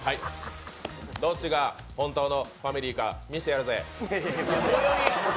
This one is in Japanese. どっちが、本当の、ファミリーか、見せてやるぜ。